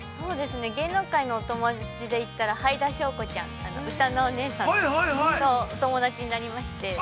◆芸能界のお友達でいったらはいだしょうこさん、うたのおねえさんと友達になりまして。